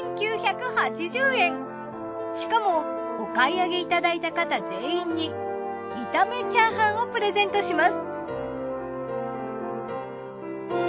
しかもお買い上げいただいた方全員に炒めチャーハンをプレゼントします。